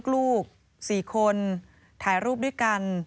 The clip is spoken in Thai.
ลูก๔คนถ่ายรูปด้วยกัน